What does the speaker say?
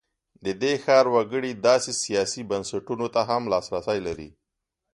د دې ښار وګړي داسې سیاسي بنسټونو ته هم لاسرسی لري.